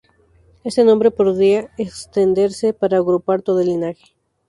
Este nombre podría extenderse para agrupar todo el linaje.